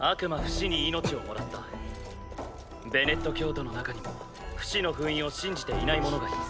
ベネット教徒の中にもフシの封印を信じていない者がいます。